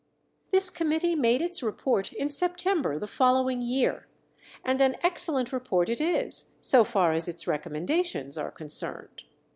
This committee made its report in September the following year, and an excellent report it is, so far as its recommendations are concerned.